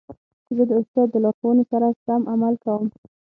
زه د استاد د لارښوونو سره سم عمل کوم.